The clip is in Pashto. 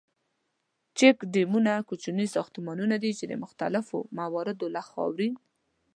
چیک ډیمونه کوچني ساختمانونه دي ،چې د مختلفو موادو لکه خاورین.